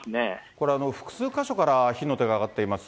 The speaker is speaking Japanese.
これ、複数箇所から火の手が上がっています。